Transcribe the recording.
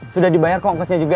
sudah dibayar kok kosnya juga